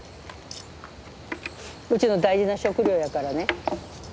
うちの大事な食料やからね。